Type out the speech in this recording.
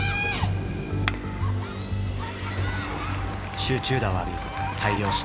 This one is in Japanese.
集中打を浴び大量失点。